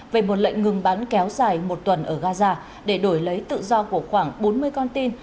về một lệnh ngừng bắn kéo dài một tuần ở gaza để đổi lấy tự do của khoảng bốn mươi con tin